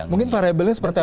mungkin variabelnya seperti apa